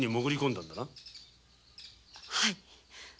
はい。